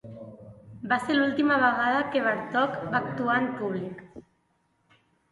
Va ser l'última vegada que Bartók va actuar en públic.